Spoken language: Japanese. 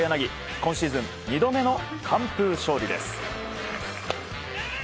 今シーズン２度目の完封勝利です。